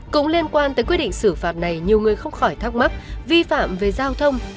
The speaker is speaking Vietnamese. cũng liên quan tới quyết định xử phạt này nhiều người không khỏi thắc mắc vi phạm về giao thông